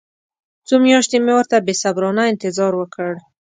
څو میاشتې مې ورته بې صبرانه انتظار وکړ.